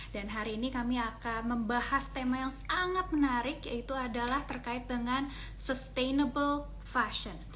dan hari ini kami akan membahas tema yang sangat menarik yaitu adalah terkait dengan sustainable fashion